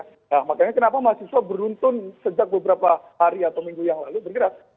nah makanya kenapa mahasiswa beruntun sejak beberapa hari atau minggu yang lalu bergerak